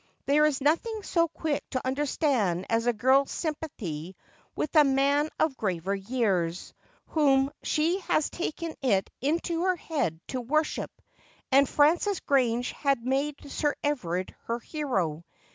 There is nothing so quick to understand as a girl's sympathy with a man of graver years, whom she has taken it into her head to worship : and Frances Grange had made Sir Everard her hero.